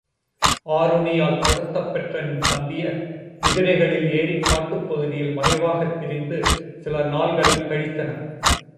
ஆருணியால் துரத்தப் பெற்ற நின் தம்பியர், குதிரைகளில் ஏறிக் காட்டுப் பகுதியில் மறைவாகத் திரிந்து, சில நாள்களைக் கழித்தனர்.